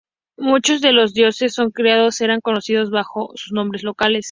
Muchos de los dioses que crearon, eran conocidos sólo bajo sus nombres locales.